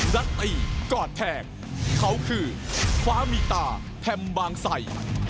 รัฐอีกกอดแทงเขาคือฟ้ามีตาแถมบางใส